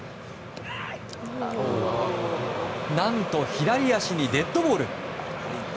何と、左足にデッドボール。